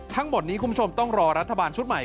ทั้งหมดนี้คุณผู้ชมต้องรอรัฐบาลชุดใหม่